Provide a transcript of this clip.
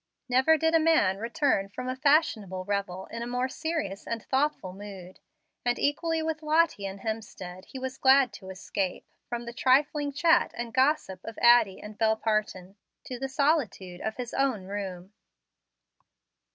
Never did a man return from a fashionable revel in a more serious and thoughtful mood, and equally with Lottie and Hemstead he was glad to escape, from the trifling chat and gossip of Addie and Bel Parton, to the solitude of his own loom.